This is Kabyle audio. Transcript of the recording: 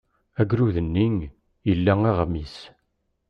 Agrud-nni ila aɣmis.